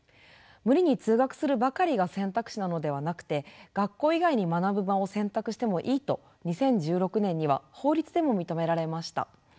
無理に通学するばかりが選択肢なのではなくて学校以外に学ぶ場を選択してもいいと２０１６年には法律でも認められました。